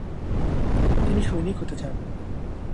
তিনি সৈনিক হতে চান।